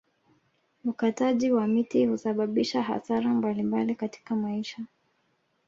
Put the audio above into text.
Ukataji wa miti husababisha hasara mbalimbali katika maisha